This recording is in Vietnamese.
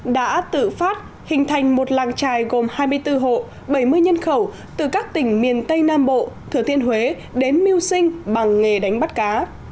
đã tự phát hình thành một làng trài gồm hai mươi bốn hộ bảy mươi nhân khẩu từ các tỉnh miền tây nam bộ thừa thiên huế đến mưu sinh bằng nghề đánh bắt cá